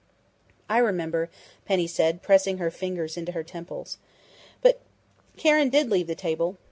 "I remember," Penny said, pressing her fingers into her temples. "But Karen did leave the table.